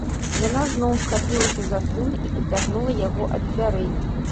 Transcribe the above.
Яна зноў схапілася за сына і пацягнула яго ад дзвярэй.